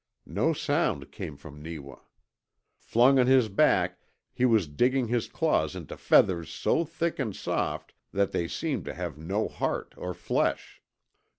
No sound came from Neewa. Flung on his back, he was digging his claws into feathers so thick and soft that they seemed to have no heart or flesh.